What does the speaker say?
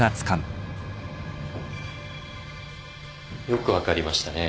よく分かりましたね